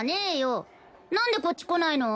なんでこっち来ないの？